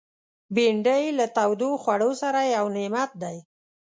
بېنډۍ له تودو خوړو سره یو نعمت دی